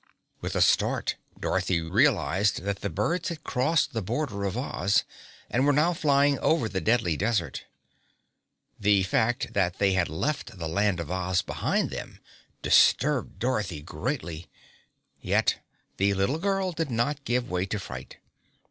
With a start Dorothy realized that the birds had crossed the border of Oz and were now flying over the Deadly Desert. The fact that they had left the Land of Oz behind them disturbed Dorothy greatly. Yet the little girl did not give way to fright.